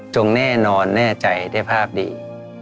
แน่นอนแน่ใจได้ภาพดี